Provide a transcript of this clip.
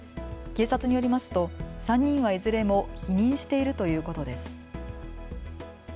警察によりますと３人はいずれも否認しているということです。